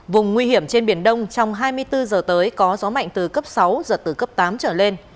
vùng nguy hiểm trên biển đông trong hai mươi bốn giờ tới có gió mạnh từ cấp sáu giật từ cấp tám trở lên